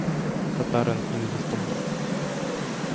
Татарин і не застогнав.